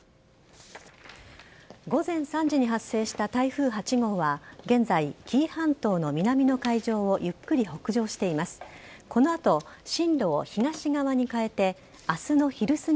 午前３時に発生した台風８号は現在、紀伊半島の南の海上をゆっくり北上しています。